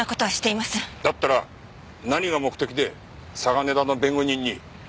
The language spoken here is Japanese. だったら何が目的で嵯峨根田の弁護人に？